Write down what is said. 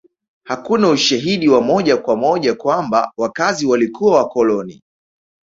Hakuna ushahidi wa moja kwa moja kwamba wakazi walikuwa wakoloni